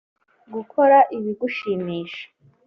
Gukora ibigushimisha